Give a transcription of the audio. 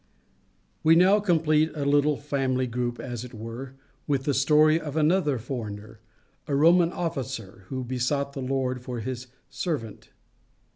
We now complete a little family group, as it were, with the story of another foreigner, a Roman officer, who besought the Lord for his servant.